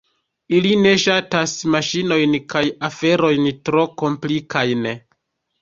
Ili ne ŝatas maŝinojn kaj aferojn tro komplikajn.